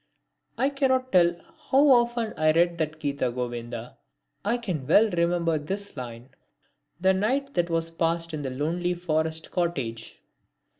I cannot tell how often I read that Gita Govinda. I can well remember this line: The night that was passed in the lonely forest cottage.